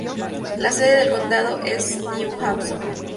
La sede del condado es New Hampton.